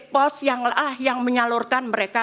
pos yang menyalurkan mereka